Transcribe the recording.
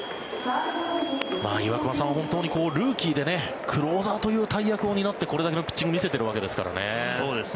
岩隈さん、本当にルーキーでクローザーという大役を担ってこれだけのピッチングを見せているわけですからね。